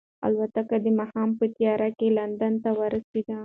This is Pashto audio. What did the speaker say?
الوتکه د ماښام په تیاره کې لندن ته ورسېده.